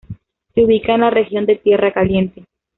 Se ubica en la región de Tierra Caliente.